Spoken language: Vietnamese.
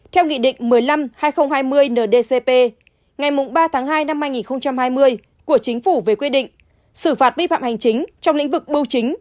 theo nghị định một mươi năm hai nghìn hai mươi ndcp ngày ba hai hai nghìn hai mươi của chính phủ về quyết định xử phạt phi phạm hành chính trong lĩnh vực bưu chính